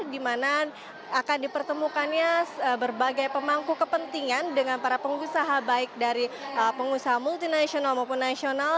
di mana akan dipertemukannya berbagai pemangku kepentingan dengan para pengusaha baik dari pengusaha multinasional maupun nasional